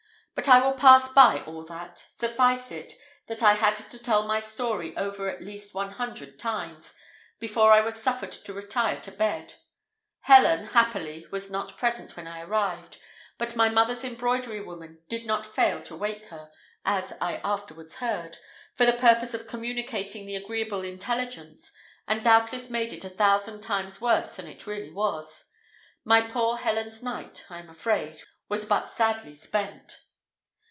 But I will pass by all that; suffice it, that I had to tell my story over at least one hundred times, before I was suffered to retire to bed. Helen, happily, was not present when I arrived, but my mother's embroidery woman did not fail to wake her, as I afterwards heard, for the purpose of communicating the agreeable intelligence, and doubtless made it a thousand times worse than it really was. My poor Helen's night, I am afraid, was but sadly spent.